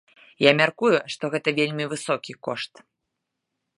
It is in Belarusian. Я мяркую, што гэта вельмі высокі кошт.